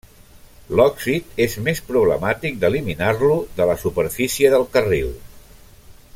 L'òxid és més problemàtic d'eliminar-lo de la superfície del carril.